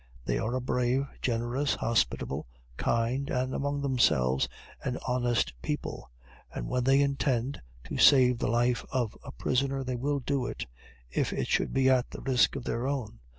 They are a brave, generous, hospitable, kind, and among themselves, an honest people; and when they intend to save the life of a prisoner they will do it, if it should be at the risk of their own.